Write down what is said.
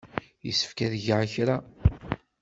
Yessefk ad geɣ kra.